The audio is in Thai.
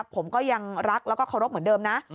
ผมก็ยังรักแล้วก็เคารพเหมือนเดิมนะ